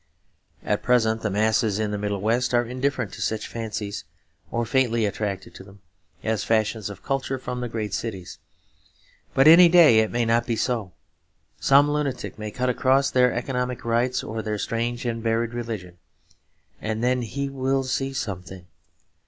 At present the masses in the Middle West are indifferent to such fancies or faintly attracted by them, as fashions of culture from the great cities. But any day it may not be so; some lunatic may cut across their economic rights or their strange and buried religion; and then he will see something.